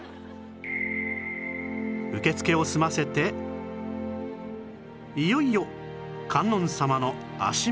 受付を済ませていよいよ観音様の足元へ